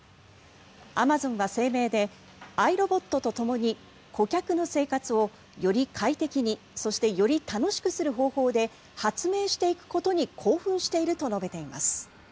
アマゾンは声明でアイロボットとともに顧客の生活を、より快適にそしてより楽しくする方法で発明していくことに興奮していると述べています。